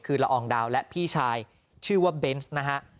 คือละอองดาวและพี่ชายชื่อว่าเบนส์นะฮะ